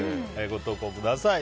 ご投稿ください。